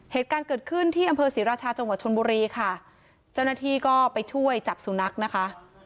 เหตุการณ์เกิดขึ้นที่อำเภอศรีราชาจังหวัดชนบุรีค่ะเจ้าหน้าที่ก็ไปช่วยจับสุนัขนะคะ